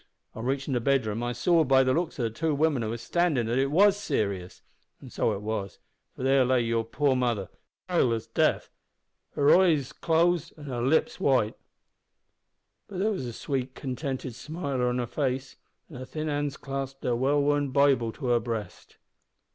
On reachin' the bedroom I saw by the looks o' two women who were standin' there that it was serious. And so it was, for there lay your poor mother, as pale as death; her eyes closed and her lips white; but there was a sweet, contented smile on her face, and her thin hands clasped her well worn Bible to her breast."